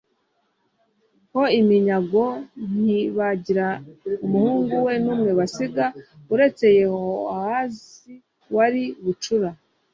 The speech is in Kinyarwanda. ho iminyago ntibagira umuhungu we n umwe basiga uretse yehowahazi wari bucura